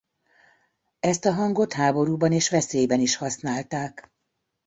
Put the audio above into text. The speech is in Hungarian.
Ezt a hangot háborúban és veszélyben is használták.